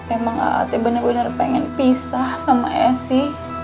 emang aate bener bener pengen pisah sama esi